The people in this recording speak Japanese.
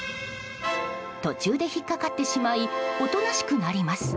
途中で引っかかってしまいおとなしくなります。